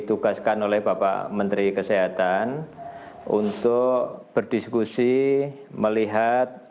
ditugaskan oleh bapak menteri kesehatan untuk berdiskusi melihat